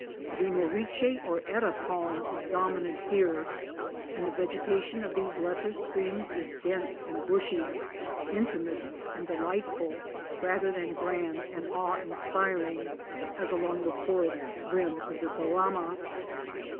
The Moriche or Eta Palm is dominant here and the vegetation of these lesser streams is dense and bushy, —intimate and delightful, rather than grand and awe inspiring as along the forest rim of the Barama.